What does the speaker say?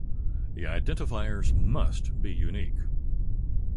The identifiers must be unique.